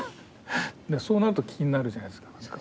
そうなると気になるじゃないですか。